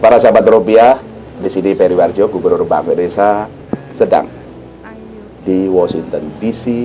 para sahabat rupiah di sini periwarjo gubernur bank indonesia sedang di washington dc